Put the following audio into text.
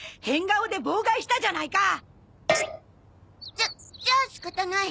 じゃじゃあ仕方ない。